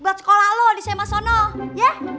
buat sekolah lo di sma sono ya